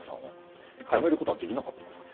辞めることはできなかったんですか。